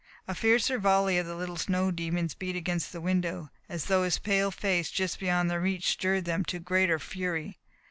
A fiercer volley of the little snow demons beat against the window, as though his pale face just beyond their reach stirred them to greater fury.